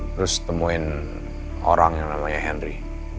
terus temuin orang yang namanya henry